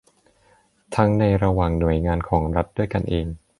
ทั้งในระหว่างหน่วยงานของรัฐด้วยกันเอง